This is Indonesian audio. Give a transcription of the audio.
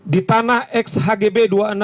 di tanah xhgb dua ribu enam ratus dua puluh tujuh